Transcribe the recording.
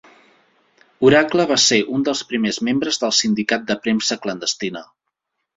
"Oracle" va ser un dels primers membres del sindicat de premsa clandestina.